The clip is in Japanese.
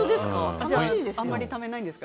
あまりためないんですか。